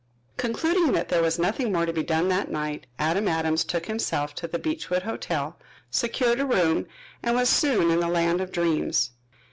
Concluding that there was nothing more to be done that night, Adam Adams took himself to the Beechwood Hotel, secured a room, and was soon in the land of dreams.